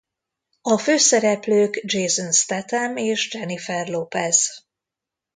A főszereplők Jason Statham és Jennifer Lopez.